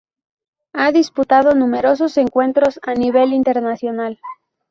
Ha disputado numerosos encuentros a nivel internacional.